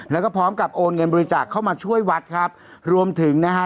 แล้วก็พร้อมกับโอนเงินบริจาคเข้ามาช่วยวัดครับรวมถึงนะฮะ